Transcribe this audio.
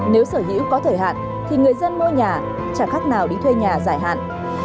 nếu sở hữu có thời hạn thì người dân mua nhà chẳng khác nào đi thuê nhà dài hạn